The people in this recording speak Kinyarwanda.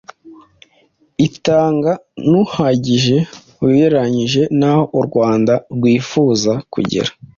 itanga ntuhagije ugereranyije n’aho u Rwanda rwifuza kugera.